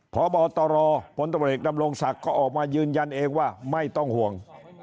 พอบ่อต่อรอผลตะเบลกดำลงศักดิ์ก็ออกมายืนยันเองว่าไม่ต้องห่วง